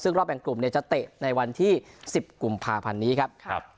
ซึ่งรอบแบ่งกลุ่มจะเตะในวันที่๑๐กุมภาพันธ์นี้ครับ